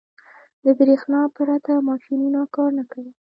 • د برېښنا پرته ماشينونه کار نه کوي.